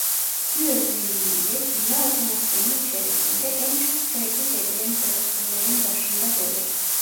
Bu özelliği ile bina otomasyonu içerisinde en çok tercih edilen protokollerin başında gelir.